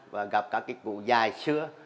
và gặp các cụ dài xưa